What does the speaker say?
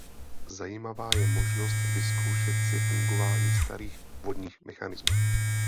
Zajímavá je možnost vyzkoušet si fungování starých vodních mechanismů.